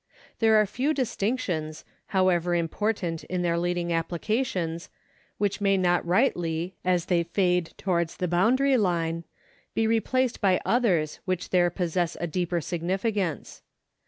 There are few distinctions, however important in their leading applications, which may not rightly, as they fade towards the boundary line, be replaced by others which there possess a deeper significance.